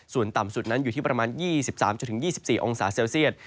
ส่วนต่ำสุดนั้นอยู่ที่ประมาณ๒๓๒๔องศาเซลเซียต